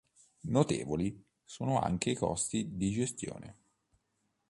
Notevoli sono anche i costi di gestione.